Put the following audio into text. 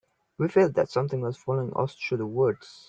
We felt that something was following us through the woods.